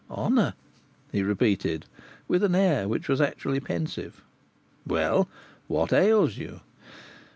honour!" he repeated, with an air which was actually pensive. "Well, what ails you?"